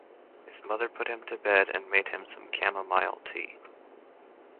His mother put him to bed, and made some camomile tea.